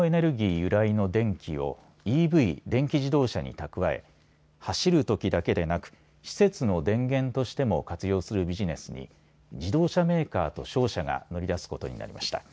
由来の電気をＥＶ・電気自動車に蓄え走るときだけでなく施設の電源としても活用するビジネスに自動車メーカーと商社が乗り出すことになりました。